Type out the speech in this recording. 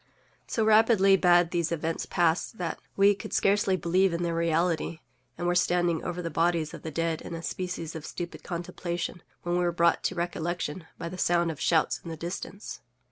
So rapidly had these events passed, that we could scarcely believe in their reality, and were standing over the bodies of the dead in a species of stupid contemplation, when we were brought to recollection by the sound of shouts in the distance.